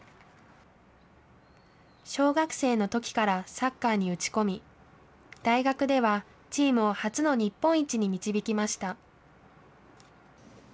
小学生のときからサッカーに打ち込み、大学ではチームを初の日本一に導きました。